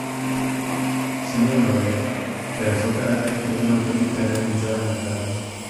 Sembla una ovella, però el seu caràcter és d'un autèntic terrier mitjà d'Anglaterra.